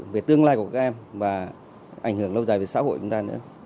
về tương lai của các em và ảnh hưởng lâu dài về xã hội chúng ta nữa